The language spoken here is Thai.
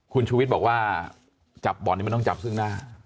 คุณชูวิทย์บอกว่าจับบ่อนนี้มันต้องจับซึ่งหน้า